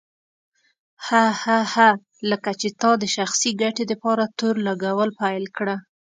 هه هه هه لکه چې تا د شخصي ګټې دپاره تور لګول پيل کړه.